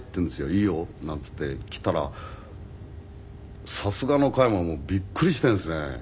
「いいよ」なんて言って来たらさすがの加山もびっくりしてるんですね。